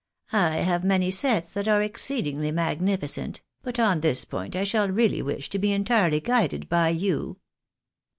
I have many sets that are exceedingly magnificent, but on this point I shall reaUy wish to be entirely guided by you."